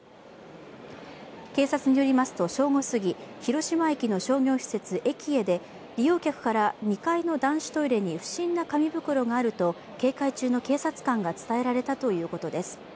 警察によりますと正午すぎ、広島駅の商業施設ｅｋｉｅで、利用客から２階の男子トイレに不審な紙袋があると警戒中の警察官が伝えられたということです。